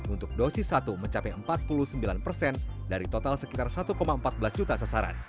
untuk dosis satu mencapai empat puluh sembilan dari total sekitar satu empat belas juta sasaran